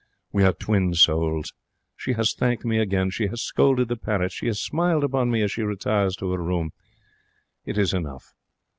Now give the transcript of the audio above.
We are twin souls. She has thanked me again. She has scolded the parrot. She has smiled upon me as she retires to her room. It is enough.